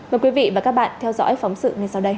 mời quý vị và các bạn theo dõi phóng sự ngay sau đây